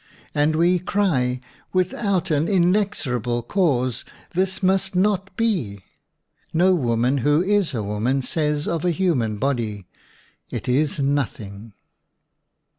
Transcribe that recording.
And we cry, "Without an inexorable cause, this must not be!" No woman who is a woman says of a human body, "It is nothing!"